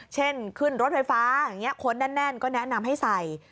เช่นขึ้นรถไฟฟ้าอย่างนี้คนแน่นก็แนะนำให้ใส่